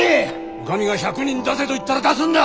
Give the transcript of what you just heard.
お上が１００人出せと言ったら出すのだ！